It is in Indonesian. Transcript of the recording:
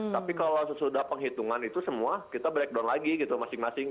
tapi kalau sesudah penghitungan itu semua kita breakdown lagi gitu masing masing